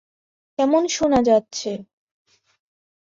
কেমন শোনা যাচ্ছে?